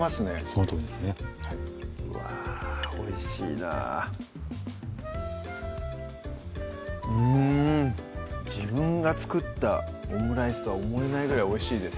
そのとおりですねはいうわおいしいなうん自分が作ったオムライスとは思えないぐらいおいしいです